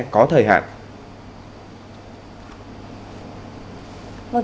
có thời hạn